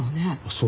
そう。